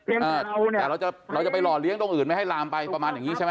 เพียงแต่เราเนี่ยเราจะไปรอเลี้ยงตรงอื่นไหมให้ลามไปประมาณอย่างนี้ใช่ไหม